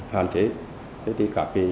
hạn chế thế thì các cái